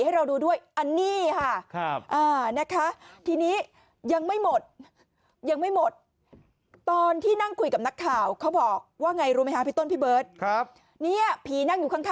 หลังอีกพวกผีเนี่ย